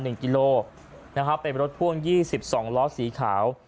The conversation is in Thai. กิโลนะครับเป็นรถพ่วงยี่สิบสองล้อสีขาว